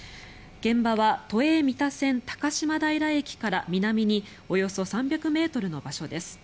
現場は都営三田線高島平駅から南におよそ３００ｍの場所です。